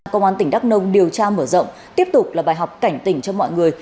công an tỉnh đắk nông điều tra mở rộng tiếp tục là bài học cảnh tỉnh cho mọi người